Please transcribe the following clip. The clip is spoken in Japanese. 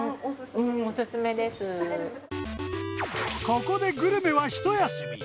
ここでグルメは一休み